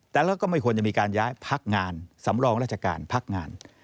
แต่เราก็ไม่ควรจะมีการย้ายพักงานสำรองราชการพักงาน